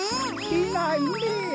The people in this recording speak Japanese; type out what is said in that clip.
いないねえ。